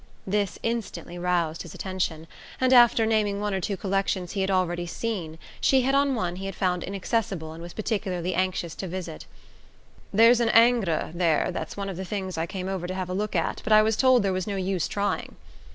This instantly roused his attention, and after naming one or two collections he had already seen she hit on one he had found inaccessible and was particularly anxious to visit. "There's an Ingres there that's one of the things I came over to have a look at; but I was told there was no use trying."